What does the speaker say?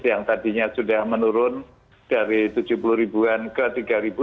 yang tadinya sudah menurun dari tujuh puluh ribuan ke tiga ratus